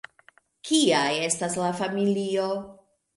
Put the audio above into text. Kia estas la familio?